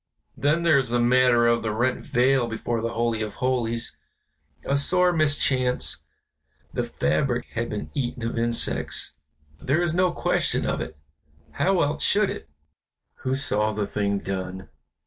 Then there is the matter of the rent veil before the Holy of Holies; a sore mischance, the fabric had been eaten of insects, there is no question of it, how else should it " "Who saw the thing done?"